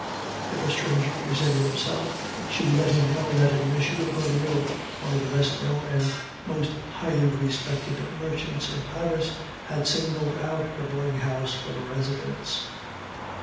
If a stranger presented himself, she let him know that M. Goriot, one of the best known and most highly respected merchants in Paris, had singled out her boarding house for a residence.